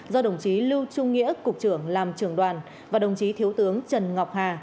do đồng chí lưu trung nghĩa cục trưởng làm trưởng đoàn và đồng chí thiếu tướng trần ngọc hà